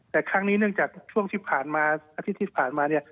แต่ครั้งนี้เนื่องจากช่วงที่ผ่านมาอาทิตย์ที่ผ่านมาเนี่ย